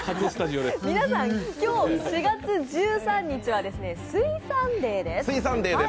皆さん、今日４月１３日は水産デーです。